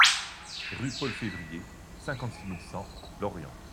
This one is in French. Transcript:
Rue Paul Février, cinquante-six mille cent Lorient